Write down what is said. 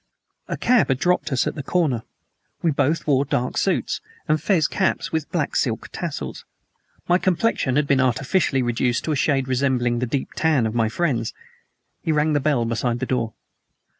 A cab had dropped us at the corner. We both wore dark suits and fez caps with black silk tassels. My complexion had been artificially reduced to a shade resembling the deep tan of my friend's. He rang the bell beside the door.